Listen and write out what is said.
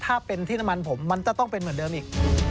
ถ้าเป็นที่น้ำมันผมมันจะต้องเป็นเหมือนเดิมอีก